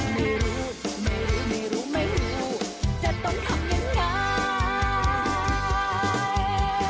ไม่รู้ไม่รู้ไม่รู้ไม่รู้จะต้องทำยังไง